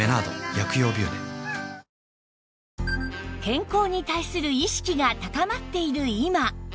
健康に対する意識が高まっている今